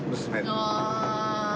ああ。